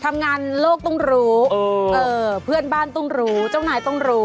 ทำงานโลกต้องเออเพื่อนบ้านต้องเจ้านายต้อง